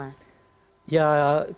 ya kalau istana saya kira juga